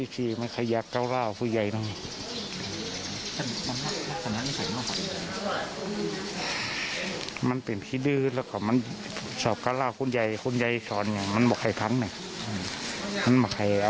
ส่วนตัวของพี่ชายเป็นใครครับ